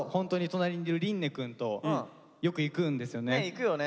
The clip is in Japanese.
行くよね。